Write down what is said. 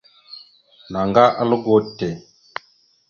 Naŋga algo te.